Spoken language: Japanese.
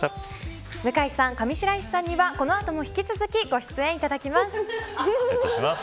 向井さん、上白石さんにはこの後も引き続きご出演いただきます。